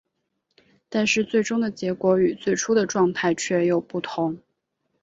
但是最终的结果与最初的状态却又不同。